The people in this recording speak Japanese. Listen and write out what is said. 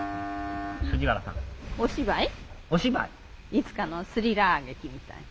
いつかのスリラー劇みたいな。